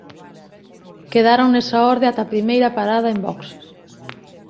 Quedaron nesa orde ata a primeira parada en boxes.